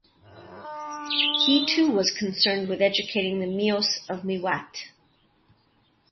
He too was concerned with educating the Meos of Mewat.